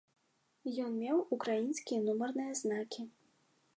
Ён меў украінскія нумарныя знакі.